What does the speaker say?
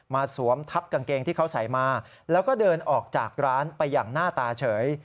สวมทับกางเกงที่เขาใส่มาแล้วก็เดินออกจากร้านไปอย่างหน้าตาเฉย